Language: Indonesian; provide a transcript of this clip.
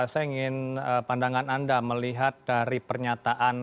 saya ingin pandangan anda melihat dari pernyataan